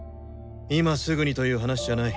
今すぐにという話じゃない。